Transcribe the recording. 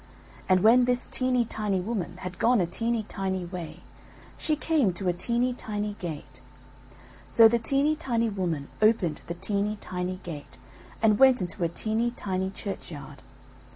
And when this teeny tiny woman had gone a teeny tiny way she came to a teeny tiny gate; so the teeny tiny woman opened the teeny tiny gate, and went into a teeny tiny churchyard.